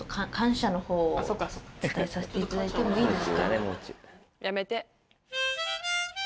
伝えさせていただいてもいいですか。